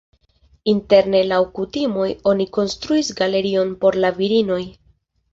Interne laŭ la kutimoj oni konstruis galerion por la virinoj.